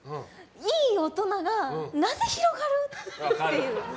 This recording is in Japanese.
いい大人がなぜ広がる？っていう。